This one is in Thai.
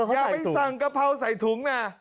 อย่าไปสั่งกะเพราใส่ถุงนะ